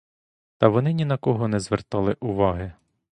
Та вони ні на кого не звертали уваги.